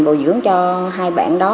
bầu dưỡng cho hai bạn đó